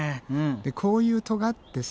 こういうとがってさ